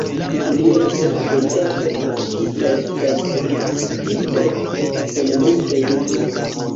Liaj verkoj estas tradukitaj kaj publikigitaj en multaj lingvoj.